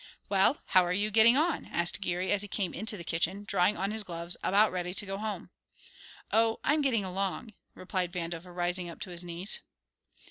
"Well, how are you getting on?" asked Geary, as he came into the kitchen, drawing on his gloves, about ready to go home. "Oh, I'm getting along," replied Vandover, rising up to his knees.